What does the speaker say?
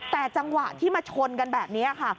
แต่จังหวะที่มาชนกันแบบนี้ค่ะ